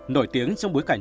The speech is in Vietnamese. nổi tiếng trong bối cảnh